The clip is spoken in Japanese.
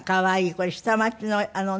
これ下町のあのね？